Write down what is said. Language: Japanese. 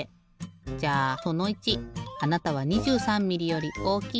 じゃあその１あなたは２３ミリより大きい？